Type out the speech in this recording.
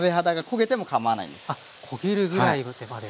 あっ焦げるぐらいまで。